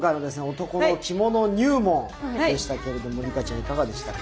「男の着物入門」でしたけれども梨花ちゃんいかがでしたか？